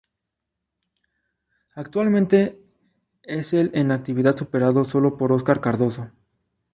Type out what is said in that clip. Actualmente es el en actividad superado sólo por Óscar Cardozo.